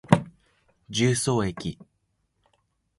十三駅